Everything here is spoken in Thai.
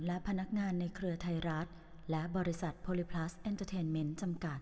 และพนักงานในเครือไทยรัฐและบริษัทโพลิพลัสเอ็นเตอร์เทนเมนต์จำกัด